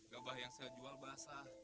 gabah yang saya jual basah